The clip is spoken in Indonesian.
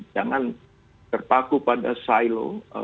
jangan terpaku pada silo